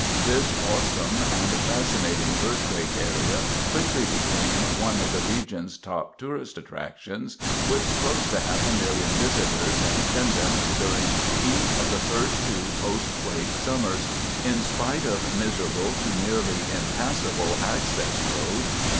This awesome and fascinating earthquake area quickly became one of the region's top tourist attractions, with close to half a million visitors in attendance during each of the first two post quake summers, in spite of miserable to nearly impassable access roads.